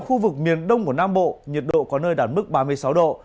khu vực miền đông của nam bộ nhiệt độ có nơi đạt mức ba mươi sáu độ